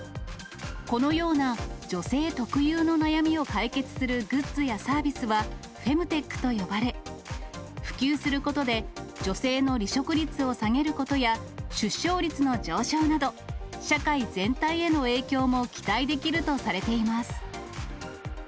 このような女性特有の悩みを解決するグッズやサービスはフェムテックと呼ばれ、普及することで、女性の離職率を下げることや、出生率の上昇など、社会全体への影響も期待できるとされています。